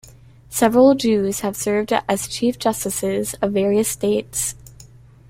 Several Jews have served as Chief Justices of various states.